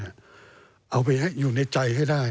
เอาไปให้อยู่ในใจให้ได้